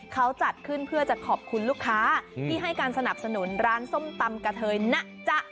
เขาจัดขึ้นเพื่อจะขอบคุณลูกค้าที่ให้การสนับสนุนร้านส้มตำกะเทยนะจ๊ะ